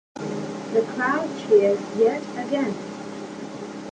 The crowd cheers yet again.